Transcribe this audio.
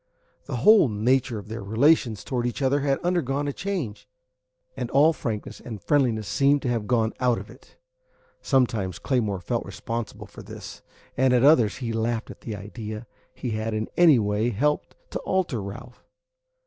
The whole nature of their relations toward each other had undergone a change, and all frankness and friendliness seemed to have gone out of it. Sometimes Claymore felt responsible for this, and at others he laughed at the idea that he had in any way helped to alter Ralph.